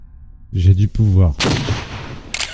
J’ai du pouvoir.